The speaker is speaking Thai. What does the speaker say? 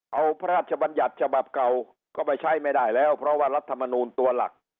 เอาพระราชบัญญัติฉบับเก่าก็ไปใช้ไม่ได้แล้วเพราะว่ารัฐมนูลตัวหลัก